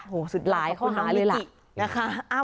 โอ้โหสุดยอดขอบคุณน้องลิกิหลายข้อหาเลยแหละนะคะ